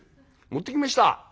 持ってきました」。